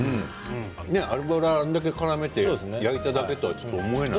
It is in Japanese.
油をあれだけからめて焼いただけとは思えない。